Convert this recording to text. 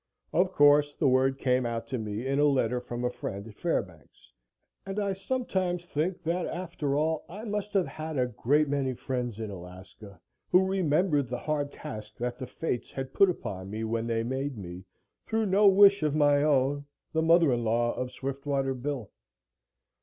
Of course, the word came out to me in a letter from a friend at Fairbanks. And I sometimes think that, after all, I must have had a great many friends in Alaska who remembered the hard task that the fates had put upon me when they made me, through no wish of my own, the mother in law of Swiftwater Bill.